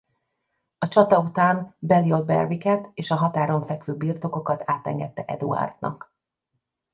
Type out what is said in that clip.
A csata után Balliol Berwicket és a határon fekvő birtokokat átengedte Eduárdnak.